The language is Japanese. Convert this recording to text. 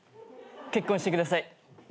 結婚してください。